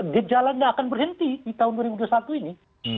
gejala ini tidak akan berhenti di tahun dua ribu dua puluh satu ini